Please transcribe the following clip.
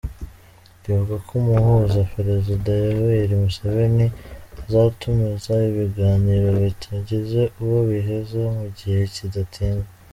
Rivuga ko umuhuza, Perezida Yoweri Museveni, azatumiza ibiganiro bitagize uwo biheza mu gihe kidatinze.